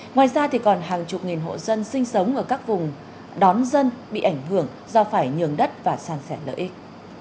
ngoài ra còn hàng chục nghìn hộ dân sinh sống ở các vùng đón dân bị ảnh hưởng do phải nhường đất và san sẻ lợi ích